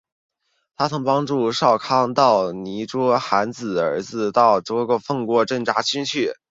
她曾帮助少康到寒浞的儿子寒浇的封地过国去侦察情况。